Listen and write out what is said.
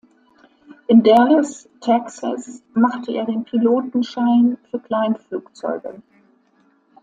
In Dallas, Texas, machte er den Pilotenschein für Kleinflugzeuge.